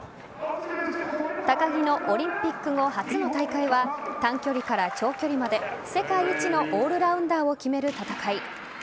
高木のオリンピック後初の大会は短距離から長距離まで世界一のオールラウンダーを決める戦い。